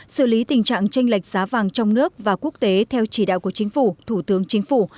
xử lý tình trạng tranh lệch giá vàng trong nước và quốc tế theo chỉ đạo của chính phủ thủ tướng chính phủ